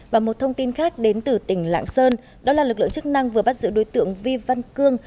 và một thông tin khác đến từ tỉnh lạng sơn đó là lực lượng chức năng vừa bắt giữ đối tượng vi văn cương